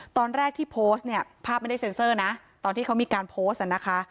ตอนแรกที่โพสต์เนี่ยภาพไม่ได้เซ็นเซอร์นะตอนที่เขามีการโพสต์นะคะ